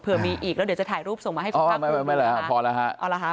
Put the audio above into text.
เผื่อมีอีกแล้วเดี๋ยวจะถ่ายรูปส่งมาให้คุณภาคโรงงานดูนะฮะ